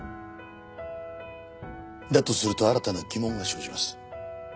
だとすると新たな疑問が生じます。